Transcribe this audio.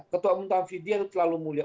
ketua umum taufidiyah itu terlalu mulia